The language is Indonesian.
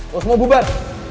lo semua bubar